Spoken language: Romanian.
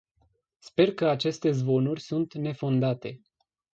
Sper că aceste zvonuri sunt nefondate.